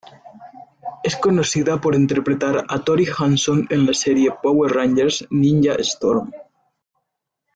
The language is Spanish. Es conocida por interpretar a Tori Hanson en la serie Power Rangers Ninja Storm.